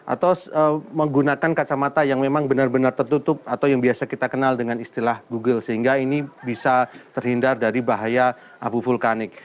atau menggunakan kacamata yang memang benar benar tertutup atau yang biasa kita kenal dengan istilah google sehingga ini bisa terhindar dari bahaya abu vulkanik